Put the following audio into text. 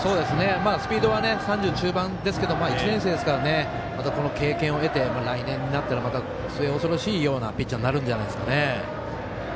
スピードは３０中盤ですが１年生ですから経験を経て、来年になったらまた、末恐ろしいようなピッチャーになるんじゃないですかね。